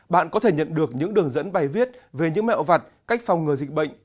bạn có thể nhận được những đường dẫn bài viết về những mẹo vật cách phòng ngừa dịch bệnh